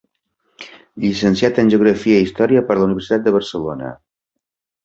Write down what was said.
Llicenciat en Geografia i història per la Universitat de Barcelona.